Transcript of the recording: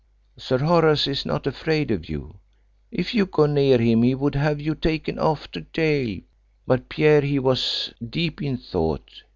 Sir Horace is not afraid of you. If you go near him he would have you taken off to gaol,' But Pierre he was deep in thought.